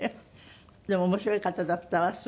でも面白い方だったわすごくね。